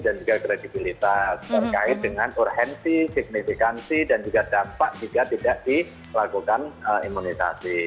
dan juga kredibilitas terkait dengan urgensi signifikansi dan juga dampak juga tidak dilakukan imunitasi